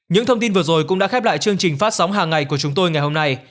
những thông tin vừa rồi cũng đã khép lại chương trình phát sóng hàng ngày của chúng tôi ngày hôm nay